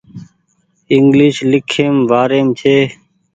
انگليش ليکيم وآريم ڇي